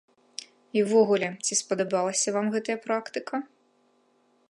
І ўвогуле, ці спадабалася вам гэтая практыка?